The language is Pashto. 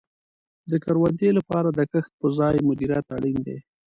د کروندې لپاره د کښت په ځای مدیریت اړین دی.